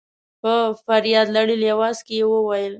په فرياد لړلي اواز کې يې وويل.